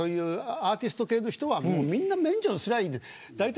アーティスト系の人はみんな免除すりゃいいんだ。